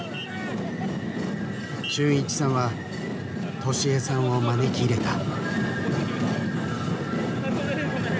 春一さんは登志枝さんを招き入れた。